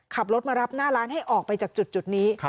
ขับรถมารับหน้าร้านให้ออกไปจากจุดนี้